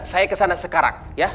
saya kesana sekarang ya